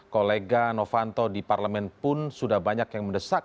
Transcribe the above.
kolega novanto di parlemen pun sudah banyak yang mendesak